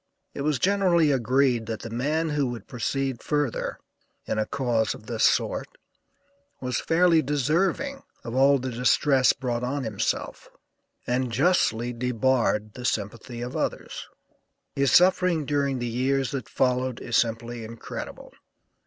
It was generally agreed that the man who would proceed further, in a cause of this sort, was fairly deserving of all the distress brought on himself, and justly debarred the sympathy of others. His suffering during the years that followed is simply incredible.